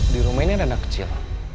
di rumah ini anak anak kecil